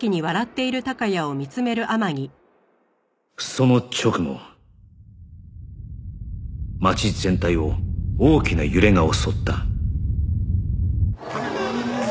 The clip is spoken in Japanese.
その直後町全体を大きな揺れが襲った